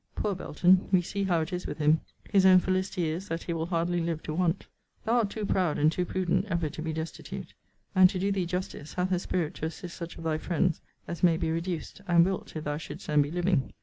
Poor Belton! we see how it is with him! His own felicity is, that he will hardly live to want. Thou art too proud, and too prudent, ever to be destitute; and, to do thee justice, hath a spirit to assist such of thy friends as may be reduced; and wilt, if thou shouldest then be living.